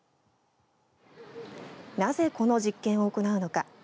なぜこの実験を行うのか。